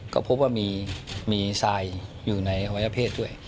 ก็พบว่ามีสายอยู่ในโยเย่าเพศด้วย